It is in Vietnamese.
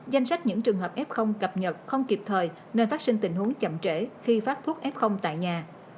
danh sách những trường hợp f cập nhật không kịp thời nên phát sinh tình huống chậm trễ khi phát thuốc f tại nhà